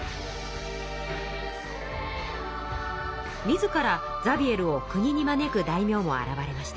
自らザビエルを国に招く大名も現れました。